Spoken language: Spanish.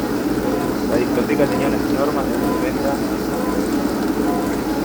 La discoteca tenía unas normas de vestimenta.